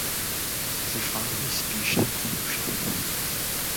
Což vám nejspíš nepomůže.